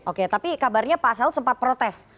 oke tapi kabarnya pak saud sempat protes